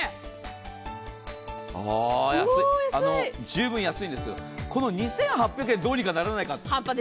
十分安いんですけど、この２８００円どうにならないか。